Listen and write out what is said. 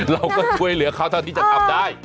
เราก็ช่วยเหลือเขาเท่าที่จะทำได้